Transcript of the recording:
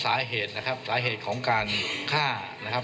สาเหตุนะครับสาเหตุของการฆ่านะครับ